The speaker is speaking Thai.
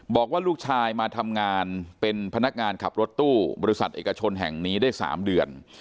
บอกว่าลูกชายมาทำงานเป็นพนักงานขับรถตู้บริษัทเอกชนแห่งนี้ได้๓เดือน